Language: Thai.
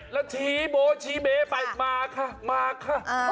แล้วชี้โบ๊ชี้เบ๊ไปมาค่ะมาค่ะ